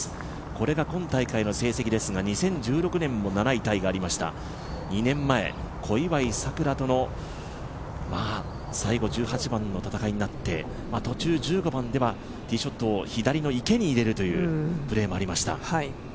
これが今大会の成績ですが、２０１６年も７位タイがありました、２年前、小祝さくらとの最後１８番の戦いになって、途中１５番ではティーショットを左の池に入れるというプレーもありました。